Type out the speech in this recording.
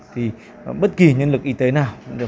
thì bất kỳ nhân lực y tế nào